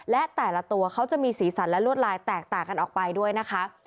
และแต่ละตัวเขาจะมีสีสันและลวดลายแตกต่างกันออกไปด้วยนะคะ